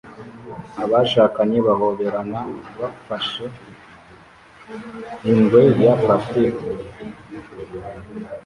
Abashakanye bahoberana bafashe ingwe ya plastiki